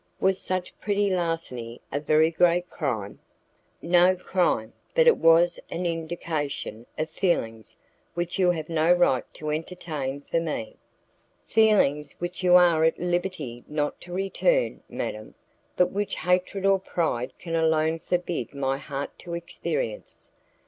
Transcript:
"Was such petty larceny a very great crime?" "No crime, but it was an indication of feelings which you have no right to entertain for me." "Feelings which you are at liberty not to return, madam, but which hatred or pride can alone forbid my heart to experience.